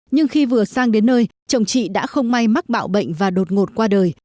nhưng khi vừa sang đến nơi chồng chị đã không may mắc bạo bệnh và đột ngột qua đời